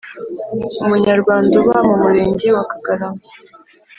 Umunyarwanda uba mu murenge wa kagarama